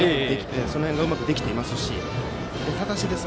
その辺がうまくできています。